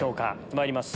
まいります